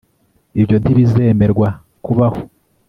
ibyo ntibizemerwa kubaho